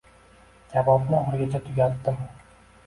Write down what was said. Kabobni oxirigacha tugatdim